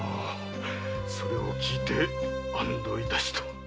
それを聞いて安堵致した。